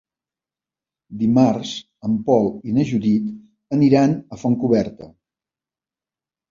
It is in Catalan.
Dimarts en Pol i na Judit aniran a Fontcoberta.